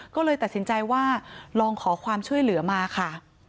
ก็เลยตัดสินใจว่าลองขอความช่วยเหลือมาค่ะ